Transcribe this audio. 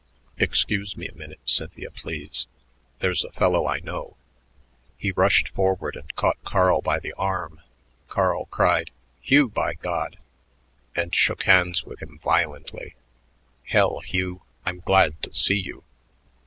"Excuse me a minute, Cynthia, please. There's a fellow I know." He rushed forward and caught Carl by the arm. Carl cried, "Hugh, by God!" and shook hands with him violently. "Hell, Hugh, I'm glad to see you."